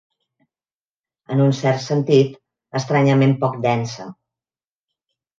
En un cert sentit, estranyament poc densa.